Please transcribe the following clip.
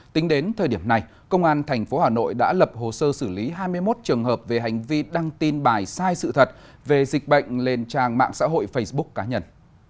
tính đến thời điểm này công an tp hà nội đã lập hồ sơ xử lý hai mươi một trường hợp về hành vi đăng tin bài sai sự thật về dịch bệnh lên trang mạng xã hội facebook cá nhân